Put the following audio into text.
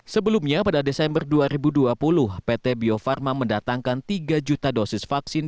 sebelumnya pada desember dua ribu dua puluh pt bio farma mendatangkan tiga juta dosis vaksin